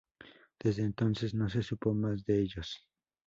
Desde entonces no se supo más de ellos.